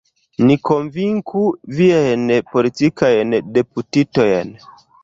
Ni konvinku viajn politikajn deputitojn!